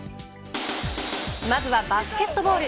まずはバスケットボール。